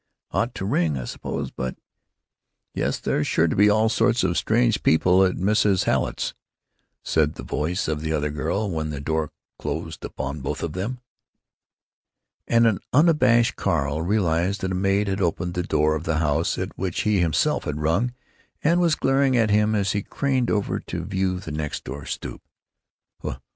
"——ought to ring, I suppose, but——Yes, there's sure to be all sorts of strange people at Mrs. Hallet's——" said the voice of the other girl, then the door closed upon both of them. And an abashed Carl realized that a maid had opened the door of the house at which he himself had rung, and was glaring at him as he craned over to view the next door stoop.